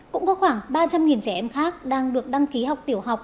cũng có khoảng ba trăm linh trẻ em khác đang được đăng ký học tiểu học